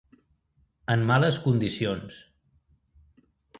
En males condicions.